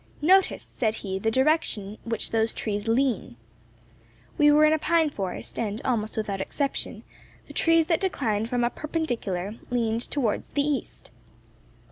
"Notice," said he, "the direction in which those trees lean." We were in a pine forest, and, almost without exception, the trees that declined from a perpendicular leaned towards the east.